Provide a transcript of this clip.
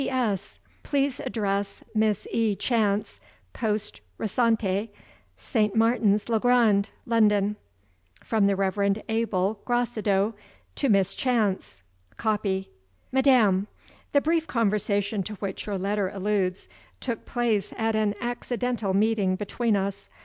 "P. S. Please address: Miss E. Chance, Poste Restante, St. Martin's le Grand, London." "From the Rev. Abel Gracedieu to Miss Chance. (Copy.) "MADAM The brief conversation to which your letter alludes, took place at an accidental meeting between us.